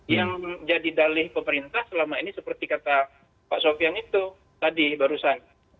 yang jadi dalih pemerintah selama ini seperti kata pak sofian itu tadi barusan